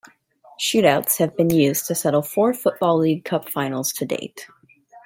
Shoot-outs have been used to settle four Football League Cup finals to date.